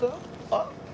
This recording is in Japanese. あっ！